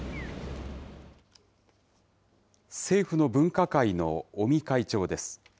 政府の分科会の尾身会長です。